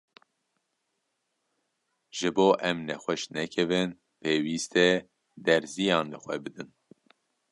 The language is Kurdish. ji bo ku em nexweş nekevin, pêwîst e derziyan li xwe bidin.